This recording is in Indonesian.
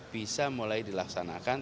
bisa mulai dilaksanakan